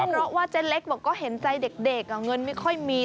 เพราะว่าเจ๊เล็กบอกก็เห็นใจเด็กเงินไม่ค่อยมี